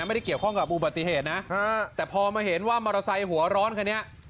ไม่ได้เกี่ยวข้องกับอุบัติเหตุนะแต่พอมาเห็นว่ามอเตอร์ไซค์หัวร้อนคันนี้